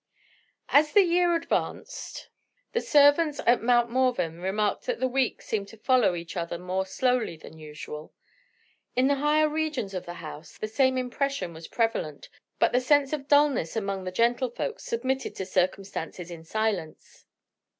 As the year advanced, the servants at Mount Morven remarked that the weeks seemed to follow each other more slowly than usual. In the higher regions of the house, the same impression was prevalent; but the sense of dullness among the gentlefolks submitted to circumstances in silence.